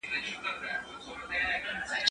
زه پرون درسونه لوستل کوم!!